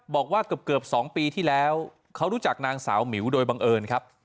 บอกว่าเกือบ๒ปีที่แล้วเขารู้จักนางสาวหมิวโดยบังเอิญครับ